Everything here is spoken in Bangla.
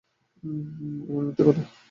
এমন মিথ্যে কথা!